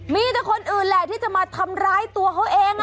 มีแต่คนอื่นแหละที่จะมาทำร้ายตัวเขาเอง